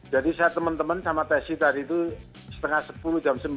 jadi saya teman teman sama tesi tadi itu setengah sepuluh jam sembilan